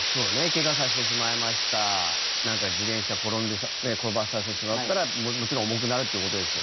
怪我させてしまいましたなんか自転車転んで転ばせてしまったらもちろん重くなるって事ですよね。